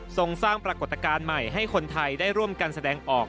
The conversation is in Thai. ส่งสร้างปรากฏการณ์ใหม่ให้คนไทยได้ร่วมกันแสดงออก